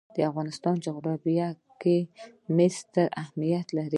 د افغانستان جغرافیه کې مس ستر اهمیت لري.